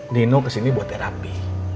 nino kesini buat terapi